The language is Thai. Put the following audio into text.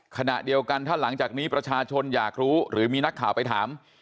ขณะเดียวกันถ้าหลังจากนี้ประชาชนอยากรู้หรือมีนักข่าวไปถาม